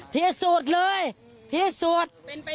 ที่สุดเลยที่สุด